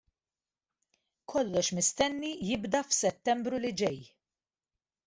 Kollox mistenni jibda f'Settembru li ġej.